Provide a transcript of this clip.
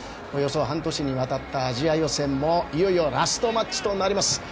およそ半年にわたったアジア予選も、いよいよラストマッチとなります。